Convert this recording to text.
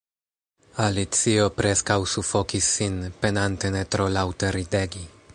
Alicio preskaŭ sufokis sin, penante ne tro laŭte ridegi.